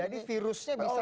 jadi virusnya bisa